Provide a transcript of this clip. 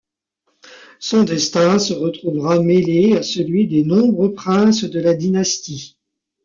Son destin se retrouvera mêlé à celui des nombreux princes de la dynastie.